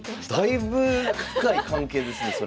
だいぶ深い関係ですねそれは。